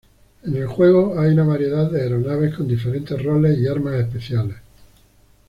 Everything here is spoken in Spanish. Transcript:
En el juego, hay una variedad de aeronaves con diferentes roles y armas especiales.